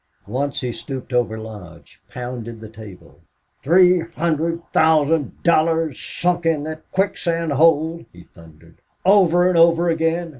Once he stooped over Lodge, pounded the table. "Three hundred thousand dollars sunk in that quicksand hole!" he thundered. "Over and over again!